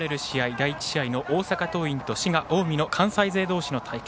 第１試合の大阪桐蔭と滋賀・近江の関西勢同士の対決。